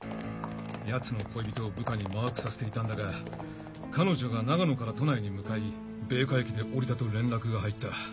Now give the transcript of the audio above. ヤツの恋人を部下にマークさせていたんだが彼女が長野から都内に向かい米花駅で降りたと連絡が入った。